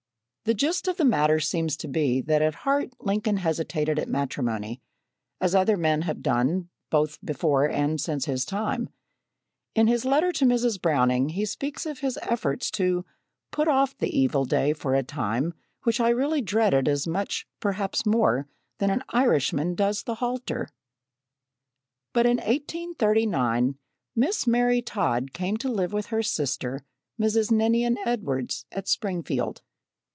The gist of the matter seems to be that at heart Lincoln hesitated at matrimony, as other men have done, both before and since his time. In his letter to Mrs. Browning he speaks of his efforts to "put off the evil day for a time, which I really dreaded as much, perhaps more, than an Irishman does the halter!" But in 1839 Miss Mary Todd came to live with her sister, Mrs. Ninian Edwards, at Springfield.